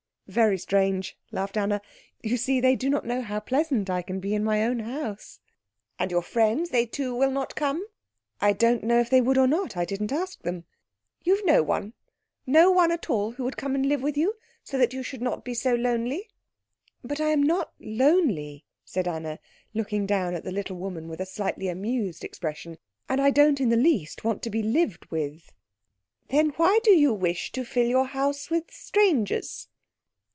"Very strange," laughed Anna. "You see they don't know how pleasant I can be in my own house." "And your friends they too will not come?" "I don't know if they would or not. I didn't ask them." "You have no one, no one at all who would come and live with you so that you should not be so lonely?" "But I am not lonely," said Anna, looking down at the little woman with a slightly amused expression, "and I don't in the least want to be lived with." "Then why do you wish to fill your house with strangers?"